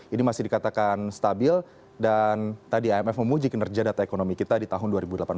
ini masih dikatakan stabil dan tadi imf memuji kinerja data ekonomi kita di tahun dua ribu delapan belas